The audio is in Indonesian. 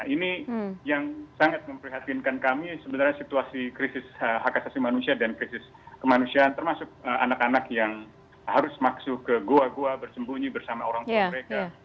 ini yang sangat memprihatinkan kami sebenarnya situasi krisis hak asasi manusia dan krisis kemanusiaan termasuk anak anak yang harus masuk ke goa goa bersembunyi bersama orang tua mereka